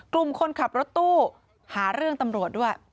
คนขับรถตู้หาเรื่องตำรวจด้วย